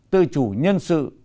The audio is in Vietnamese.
tự chủ nhân sự